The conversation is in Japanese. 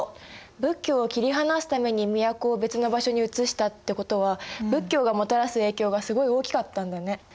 仏教を切り離すために都を別の場所にうつしたってことは仏教がもたらす影響がすごい大きかったんだね。